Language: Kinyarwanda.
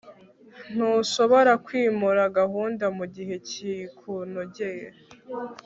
ntushobora kwimura gahunda mugihe gikunogeye